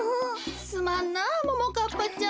すまんなももかっぱちゃん。